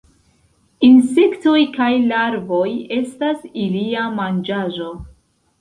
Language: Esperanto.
Insektoj kaj larvoj estas ilia manĝaĵo.